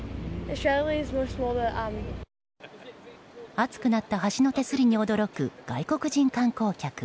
熱くなった橋の手すりに驚く外国人観光客。